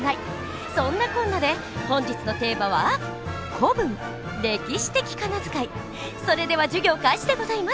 そんなこんなで本日のテーマはそれでは授業開始でございます。